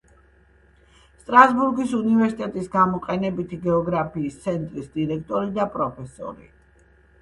სტრასბურის უნივერსიტეტის გამოყენებითი გეოგრაფიის ცენტრის დირექტორი და პროფესორი.